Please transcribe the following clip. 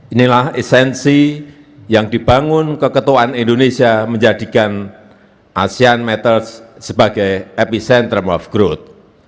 inilah esensi yang dibangun keketuaan indonesia menjadikan asean matters sebagai epicentrum of growth